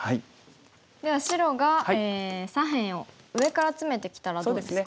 では白が左辺を上からツメてきたらどうですか？